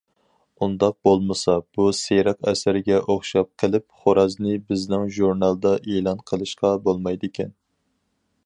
ئۇنداق بولمىسا بۇ سېرىق ئەسەرگە ئوخشاپ قېلىپ خورازنى بىزنىڭ ژۇرنالدا ئېلان قىلىشقا بولمايدىكەن.